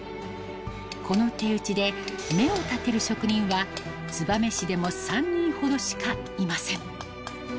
この手打ちで目を立てる職人は燕市でも３人ほどしかいません